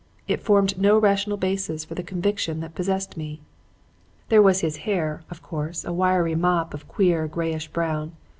It formed no rational basis for the conviction that possessed me. "There was his hair; a coarse, wiry mop of a queer grayish brown.